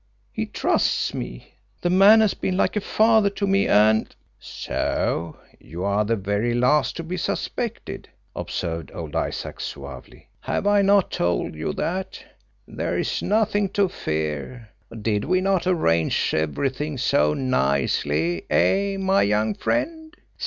He trusts me, the man has been like a father to me, and " "So you are the very last to be suspected," observed old Isaac suavely. "Have I not told you that? There is nothing to fear. Did we not arrange everything so nicely eh, my young friend?